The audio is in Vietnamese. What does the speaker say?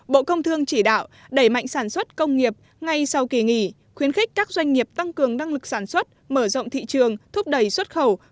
bộ công thương chỉ đạo đẩy mạnh sản xuất công nghiệp ngay sau kỳ nghỉ khuyến khích các doanh nghiệp tăng cường năng lực sản xuất mở rộng thị trường thúc đẩy xuất khẩu